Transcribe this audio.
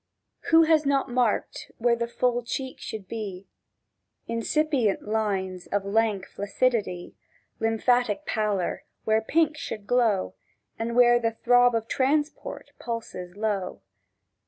Who has not marked, where the full cheek should be, Incipient lines of lank flaccidity, Lymphatic pallor where the pink should glow, And where the throb of transport, pulses low?